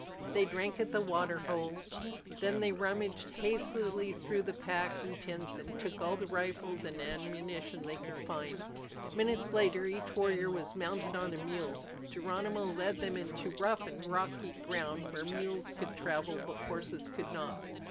They drank at the water hole. Then they rummaged hastily through the packs and tents and took all the rifles and ammunition they could find. Minutes later, each warrior was mounted on a mule. Geronimo led them into rough and rocky ground where mules could travel but horses could not.